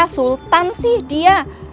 sultan sih dia